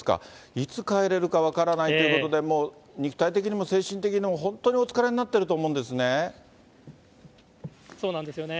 いつ帰れるか分からないということで、もう肉体的にも精神的にも本当にお疲れになってると思うんですね。